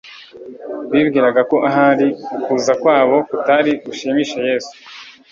Bibwiraga ko ahari ukuza kwabo kutari bushimishe Yesu,